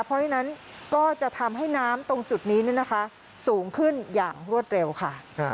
เพราะฉะนั้นก็จะทำให้น้ำตรงจุดนี้นะคะสูงขึ้นอย่างรวดเร็วค่ะ